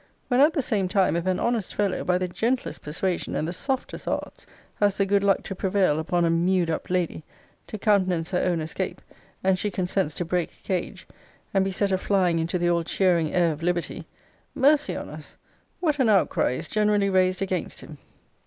when at the same time, if an honest fellow, by the gentlest persuasion, and the softest arts, has the good luck to prevail upon a mew'd up lady, to countenance her own escape, and she consents to break cage, and be set a flying into the all cheering air of liberty, mercy on us! what an outcry is generally raised against him!